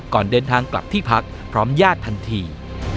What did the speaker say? ก่อนเดินทางกลับที่พักพร้อมญาติทันที